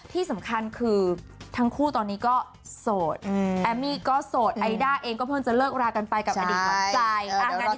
ที่สำคัญคือทั้งคู่ตอนนี้ก็โสดแอมมี่ก็โสดไอด้าเองก็เพิ่งจะเลิกรากันไปกับอดีตขวัญใจ